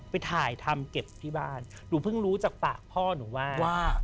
ไปถ่ายทำเก็บที่บ้านหนูเพิ่งรู้จากปากพ่อหนูว่าว่า